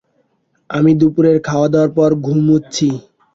আমি দুপুরের খাওয়া-দাওয়ার পর ঘুমুচ্ছি।